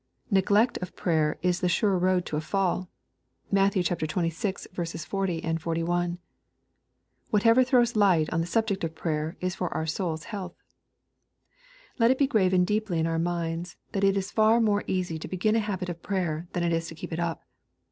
Neglect of prayer is the sure road to a fall. (Matt. xxvi. 40, 41.) Whatever throws light on the subject of prayer is for our soul's health. Let it then be graven deeply in our minds, that it is far more easy to begin a habit of prayer than it is to keep it up.